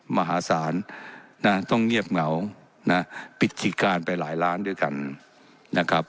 มหาศาลนะต้องเงียบเหงานะปิดกิจการไปหลายล้านด้วยกันนะครับ